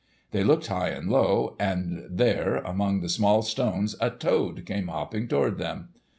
They looked high and low, and there among the small stones a toad came hopping toward them.